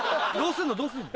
どうすんの？